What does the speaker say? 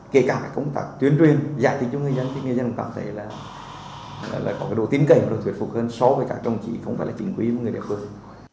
kể cả công tác tuyến truyền giải thích cho người dân người dân cũng cảm thấy có độ tín cảnh và thuyệt phục hơn so với các đồng chí không phải là chính quý của người địa phương